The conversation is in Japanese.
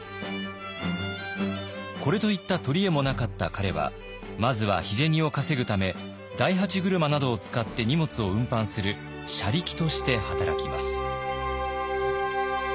これといった取り柄もなかった彼はまずは日銭を稼ぐため大八車などを使って荷物を運搬する車力として働きます。